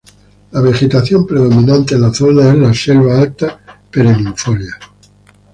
La vegetación predominante en la zona es la selva alta perennifolia.